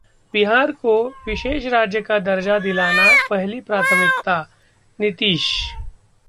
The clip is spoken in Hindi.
बिहार को विशेष राज्य का दर्जा दिलाना पहली प्राथमिकता: नीतीश